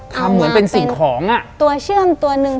เอามาเป็นตัวเชื่อมตัวหนึ่ง